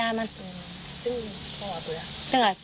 ผมเมาลูกเองไหม